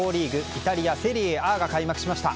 イタリア・セリエＡが開幕しました。